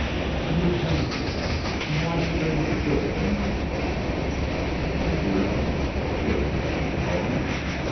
"Then who can it be? And why should he want to do a thing like that?" "It may be your other man Jim, didn't you call him?